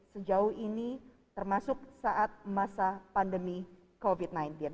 sejauh ini termasuk saat masa pandemi covid sembilan belas